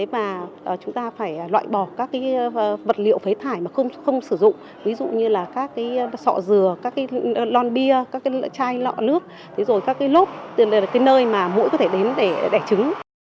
và chúng ta phải loại bỏ các vật liệu phế thải mà không sử dụng ví dụ như các sọ rửa các lon bia các chai lọ nước các lốt nơi mũi có thể đến để đẻ trứng